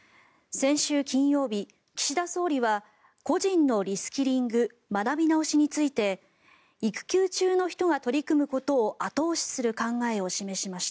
先週金曜日、岸田総理は個人のリスキリング・学び直しについて育休中の人が取り組むことを後押しする考えを示しました。